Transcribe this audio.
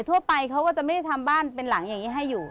ทั่วไปเขาก็จะไม่ได้ทำบ้านเป็นหลังอย่างนี้ให้อยู่